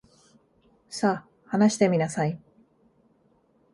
さ、話してみなさい。